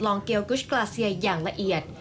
เกลกุชกราเซียอย่างละเอียด